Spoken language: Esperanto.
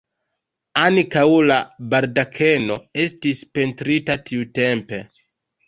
Ankaŭ la baldakeno estis pentrita tiutempe.